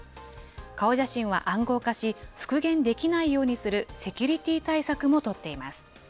顔写真は暗号化し、復元できないようにするセキュリティー対策も取っています。